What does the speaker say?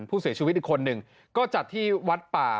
ผู้เสียชีวิตอีกคนหนึ่งก็จัดที่วัดป่า